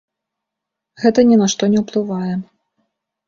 Гэта ні на што не ўплывае.